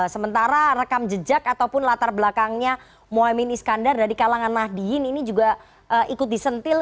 sementara rekam jejak ataupun latar belakangnya mohaimin iskandar dari kalangan nahdiyin ini juga ikut disentil